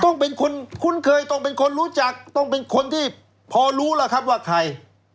ต้องเป็นคนคุ้นเคยต้องเป็นคนรู้จักต้องเป็นคนที่พอรู้แล้วครับว่าใคร